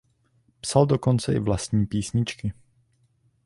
Psal dokonce i vlastní písničky.